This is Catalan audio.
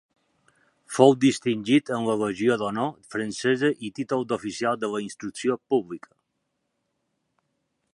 Fou distingit amb la Legió d'Honor francesa i títol d'Oficial de la Instrucció Pública.